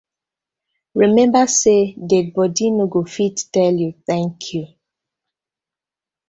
Remmeber say dead bodi no go fit tell yu tank yu.